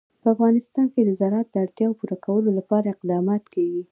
په افغانستان کې د زراعت د اړتیاوو پوره کولو لپاره اقدامات کېږي.